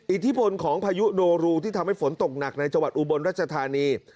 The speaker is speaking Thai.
อิทธิพลของพายุโนรูที่ทำให้ฝนตกหนักในจังหวัดอุบลรัชธานี